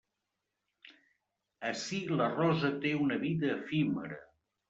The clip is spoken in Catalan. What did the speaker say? Ací la rosa té una vida efímera.